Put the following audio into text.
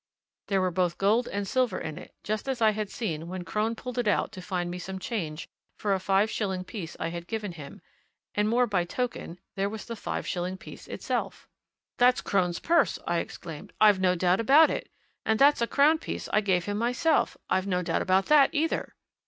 There were both gold and silver in it just as I had seen when Crone pulled it out to find me some change for a five shilling piece I had given him and more by token, there was the five shilling piece itself! "That's Crone's purse!" I exclaimed. "I've no doubt about that. And that's a crown piece I gave him myself; I've no doubt about that either!"